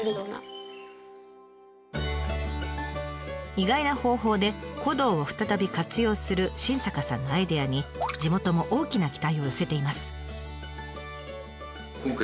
意外な方法で古道を再び活用する新坂さんのアイデアに地元も大きな期待を寄せています。